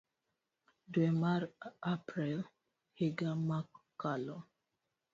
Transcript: dwe mar April higa mokalo.